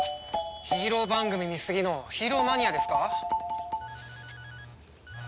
ヒーロー番組見すぎのヒーローマニアですか？